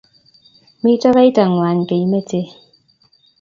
mito kaitang'wang' keimete